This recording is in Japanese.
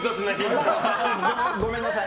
ごめんなさい。